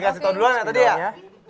dikasih tahu duluan ya tadi ya